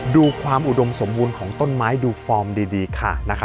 ดูความอุดมสมบูรณ์ของต้นไม้ดูฟอร์มดีค่ะนะคะ